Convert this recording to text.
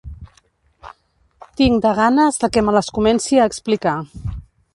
Tinc de ganes de que me les comenci a explicar.